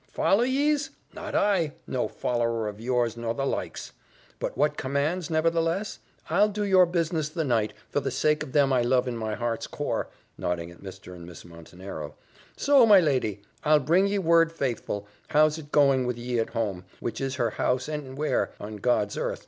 "Follow yees! not I! no follower of yours nor the likes. But what commands, nevertheless? I'll do your business the night, for the sake of them I love in my heart's core," nodding at Mr. and Miss Montenero; "so, my lady, I'll bring ye word, faithful, how it's going with ye at home which is her house, and where, on God's earth?"